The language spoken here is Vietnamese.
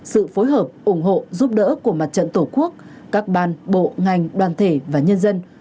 sự phối hợp ủng hộ giúp đỡ của mặt trận tổ quốc các ban bộ ngành đoàn thể và nhân dân